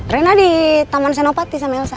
rena di taman senopati sama elsa